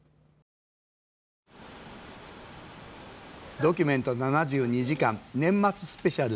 「ドキュメント７２時間年末スペシャル」。